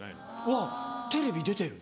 わっ、テレビ出てる。